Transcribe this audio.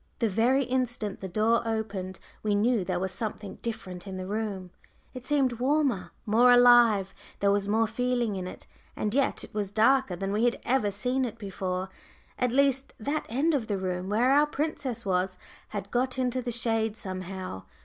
The very instant the door opened we knew there was something different in the room it seemed warmer, more alive, there was more feeling in it; and yet it was darker than we had ever seen it before at least, that end of the room where our princess was had got into the shade somehow.